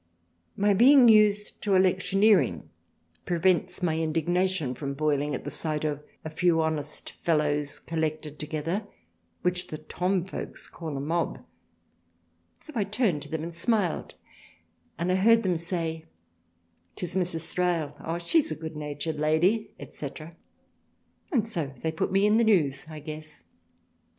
My being used to electioneering prevents my Indignation from boyling at the sight of a few honest Fellows collected together which the Ton Folks call a Mob so I turned to them and smiled and 1 heard them say 'tis Mrs. Thrale Oh She's a good natured Lady &c. and so they put me in the News I guess."